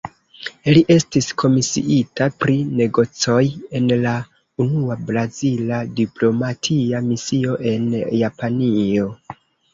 Li estis komisiita pri negocoj en la unua brazila diplomatia misio en Japanio.